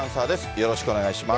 よろしくお願いします。